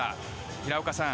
平岡さん